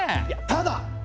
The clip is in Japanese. いやただ！